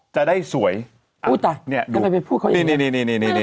จะได้สวยอุ้ยตายเนี่ยทำไมไปพูดเขาอยู่นี่นี่นี่นี่